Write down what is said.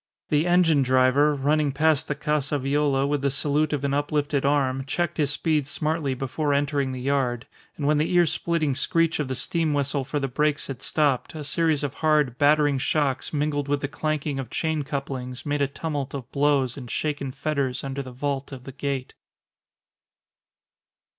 The engine driver, running past the Casa Viola with the salute of an uplifted arm, checked his speed smartly before entering the yard; and when the ear splitting screech of the steam whistle for the brakes had stopped, a series of hard, battering shocks, mingled with the clanking of chain couplings, made a tumult of blows and shaken fetters under the vault of the gate.